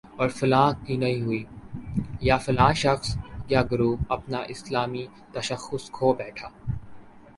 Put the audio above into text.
اور فلاں کی نہیں ہوئی، یا فلاں شخص یا گروہ اپنا اسلامی تشخص کھو بیٹھا ہے